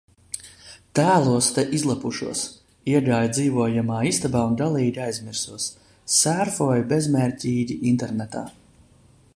Tēlos te izlepušos. Iegāju dzīvojamā istabā un galīgi aizmirsos. Sērfoju bezmērķīgi internetā.